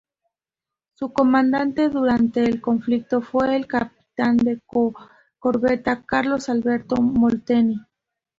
Su comandante durante el conflicto fue el capitán de corbeta Carlos Alberto Molteni.